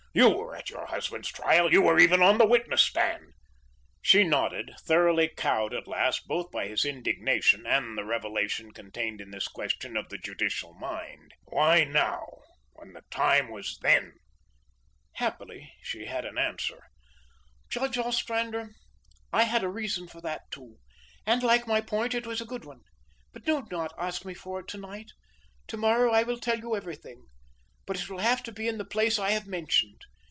You were at your husband's trial; you were even on the witness stand?" She nodded, thoroughly cowed at last both by his indignation and the revelation contained in this question of the judicial mind "Why now, when the time was THEN?" Happily, she had an answer. "Judge Ostrander, I had a reason for that too; and, like my point, it is a good one. But do not ask me for it to night. To morrow I will tell you everything. But it will have to be in the place I have mentioned.